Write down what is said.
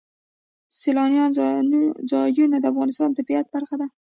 سیلانی ځایونه د افغانستان د طبیعت برخه ده.